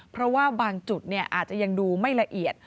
เพราะว่าบางจุดอาจจะยังดูไม่ละเอียด